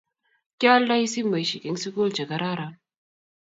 kiyalndai simoishek en sukul che kararon